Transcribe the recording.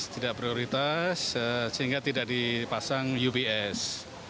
tidak prioritas sehingga tidak dipasang ups